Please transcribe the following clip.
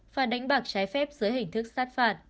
và đánh bạc trái phép dưới hình thức sát phạt